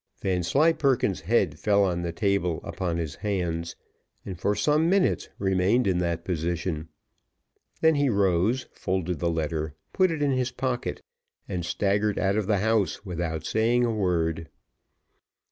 Vanslyperken's head fell on the table upon his hands, and for some minutes remained in that position. He then rose, folded the letter, put it in his pocket, and staggered out of the house without saying a word.